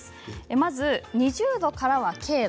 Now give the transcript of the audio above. まず２０度からは軽度。